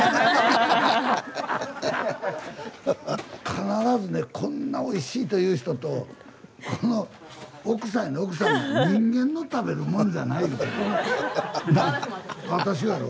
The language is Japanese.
必ずね「こんなおいしい」という人とこの奥さんやで奥さんが「人間の食べるもんじゃない」言うてんねん。